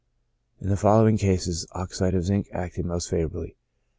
In the following cases oxide of zinc acted most favorably.